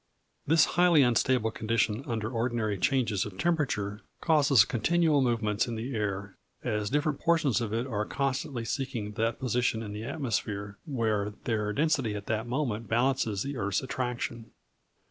This highly unstable condition under ordinary changes of temperature causes continual movements in the air, as different portions of it are constantly seeking that position in the atmosphere where their density at that moment balances the earth's attraction.